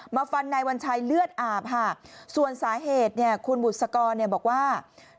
ฟันนายวัญชัยเลือดอาบค่ะส่วนสาเหตุเนี่ยคุณบุษกรเนี่ยบอกว่า